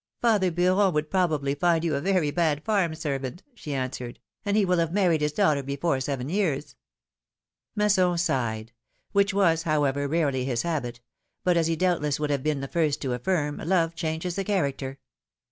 Father Beuron would probably find you a very bad farm servant,'^ she answered ; and he will have married his daughter before seven years." Masson sighed ; which was, however, rarely his habit — but as he doubtless would have been the first to affirm, love ehanges the character.